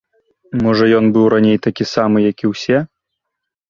Можа ён быў раней такі самы, як і ўсе?